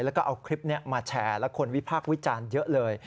แล้วก็เอาคลิปนี้มาแชร์และคนวิพากษ์วิจารณ์เยอะเลย